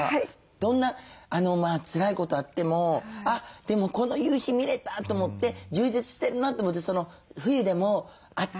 どんなつらいことあっても「あっでもこの夕日見れた」と思って充実してるなと思って冬でもあったかみをね